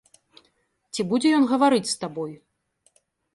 Ці будзе ён гаварыць з табой?